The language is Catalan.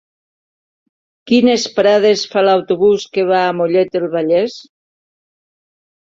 Quines parades fa l'autobús que va a Mollet del Vallès?